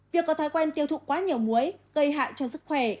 việc có thói quen tiêu thụ quá nhiều muối gây hại cho sức khỏe